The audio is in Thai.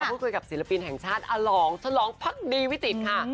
พูดคุยกับศิลปินแห่งชาติอลองฉลองพักดีวิจิตค่ะ